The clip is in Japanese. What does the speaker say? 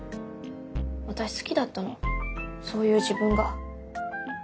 私好きだったのそういう自分が。